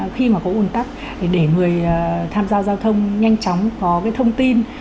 khi mà có ủn tắc để người tham gia giao thông nhanh chóng có cái thông tin